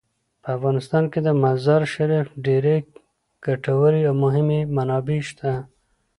په افغانستان کې د مزارشریف ډیرې ګټورې او مهمې منابع شته.